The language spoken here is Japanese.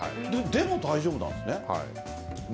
でも大丈夫なんですね？